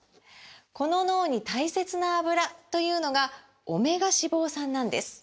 この脳に大切なアブラというのがオメガ脂肪酸なんです！